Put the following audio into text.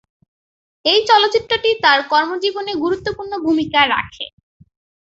এই চলচ্চিত্রটি তার কর্মজীবনে গুরুত্বপূর্ণ ভূমিকা রাখে।